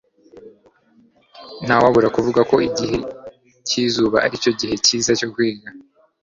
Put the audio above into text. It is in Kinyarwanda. ntawabura kuvuga ko igihe cyizuba aricyo gihe cyiza cyo kwiga